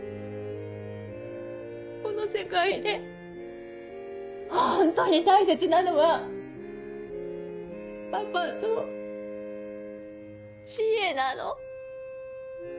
この世界でホントに大切なのはパパと知恵なの。